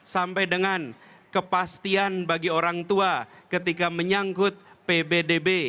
sampai dengan kepastian bagi orang tua ketika menyangkut pbdb